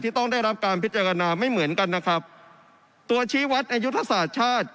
ต้องได้รับการพิจารณาไม่เหมือนกันนะครับตัวชี้วัดในยุทธศาสตร์ชาติ